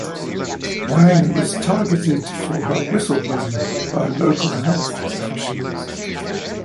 Wang was targeted for her whistleblowing by local health officials.